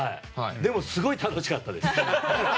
でも、すごい楽しかったです。